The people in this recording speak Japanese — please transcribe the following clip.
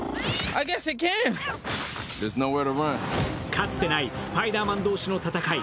かつてないスパイダーマン同士の戦い。